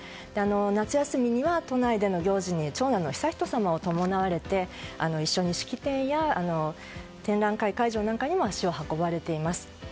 夏休みには都内での行事に長男の悠仁さまを伴われて一緒に式典や展覧会会場なんかにも足を運ばれています。